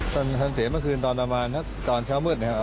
ตอนทันเสียเมื่อคืนตอนเช้ามืดนะครับ